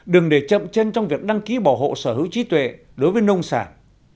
đừng để chậm chân trong việc đăng ký bảo hộ sở hữu trí tuệ đối với nông sản